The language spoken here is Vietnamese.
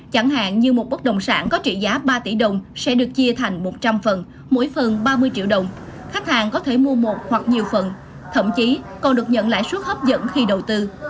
chẳng hạn như một bất đồng sản có trị giá ba tỷ đồng sẽ được chia thành một trăm linh phần mỗi phần ba mươi triệu đồng khách hàng có thể mua một hoặc nhiều phần thậm chí còn được nhận lãi suất hấp dẫn khi đầu tư